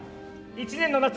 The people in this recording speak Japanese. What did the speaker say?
１年の夏